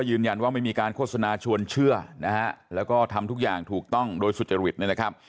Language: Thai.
หนูก็ไม่ได้สร้างเรื่องที่จะหลอกลวงหรือว่า